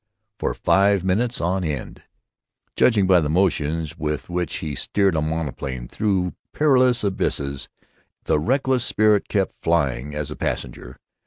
For five minutes on end, judging by the motions with which he steered a monoplane through perilous abysses, the reckless spirit kept flying (as a passenger).